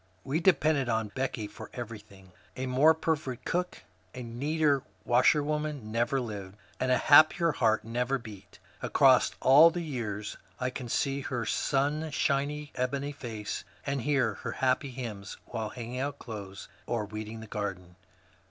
We depended on Becky for everything. A more perfect cook, a neater washerwoman, never lived, and a happier heart never beat. Across all the years I can see her sunshiny ebony face, and hear her happy hymns while hanging out clothes, or weeding the garden.